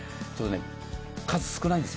数、少ないんです。